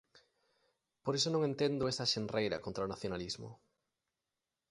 Por iso non entendo esa xenreira contra o nacionalismo.